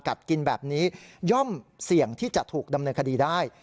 กินแบบนี้ย่อมเสี่ยงที่จะถูกดำเนินคดีได้